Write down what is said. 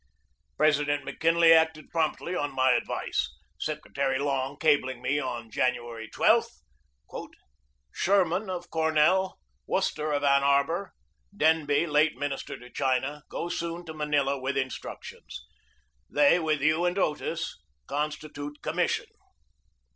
President McKinley acted promptly on my ad vice, Secretary Long cabling me on January 12: "Schurman of Cornell, Worcester of Ann Arbor, Denby, late Minister to China, go soon to Manila with instructions. They with you and Otis consti tute commission."